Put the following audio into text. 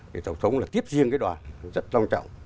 thì tổng thống là tiếp riêng cái đoàn rất trọng trọng